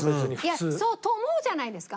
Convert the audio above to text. いやと思うじゃないですか。